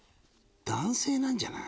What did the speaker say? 男性なんじゃない？